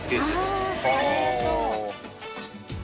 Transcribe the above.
あっカレーと！